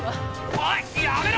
おいやめろ！